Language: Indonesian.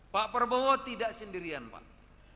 pak prabowo tidak sendirian pak